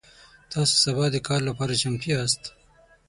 تاسو سبا د کار لپاره چمتو یاست؟